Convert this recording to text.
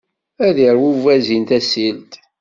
Ad iṛwu ubazin tasilt!